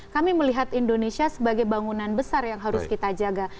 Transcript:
kami melihat indonesia sebagai bangunan besar yang harus kita jaga